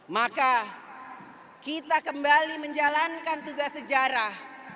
maka kita kembali menjalankan tugas sejarah